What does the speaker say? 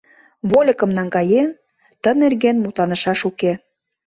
Вольыкым наҥгаен... ты нерген мутланышаш уке.